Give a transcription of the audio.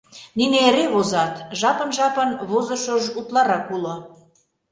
Нине эре возат, жапын-жапын возышыж утларак уло: